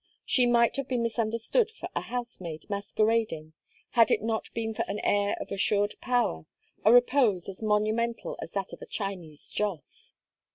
She might have been misunderstood for a housemaid masquerading had it not been for an air of assured power, a repose as monumental as that of a Chinese joss.